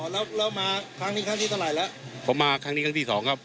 แล้วมาครั้งนี้ครั้งที่เท่าไหร่แล้วผมมาครั้งนี้ครั้งที่สองครับ